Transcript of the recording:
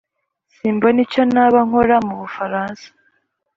simbona icyo naba nkora mu bufaransa.